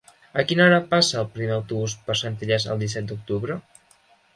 A quina hora passa el primer autobús per Centelles el disset d'octubre?